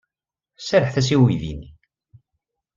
Serrḥet-as i uydi-nni.